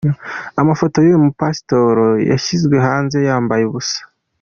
Amafoto yuyu mupasitoro yashyizwe hanze yambaye ubusa.